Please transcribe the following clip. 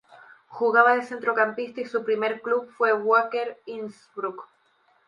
Jugaba de centrocampista y su primer club fue Wacker Innsbruck.